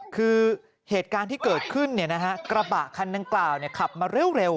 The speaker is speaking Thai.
คือเหตุการณ์ที่เกิดขึ้นเนี่ยนะฮะกระบะคันดังกล่าวเนี่ยขับมาเร็ว